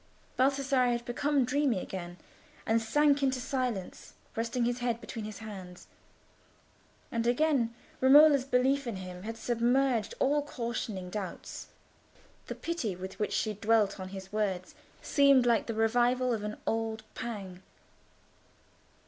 Baldassarre had become dreamy again, and sank into silence, resting his head between his hands; and again Romola's belief in him had submerged all cautioning doubts. The pity with which she dwelt on his words seemed like the revival of an old pang.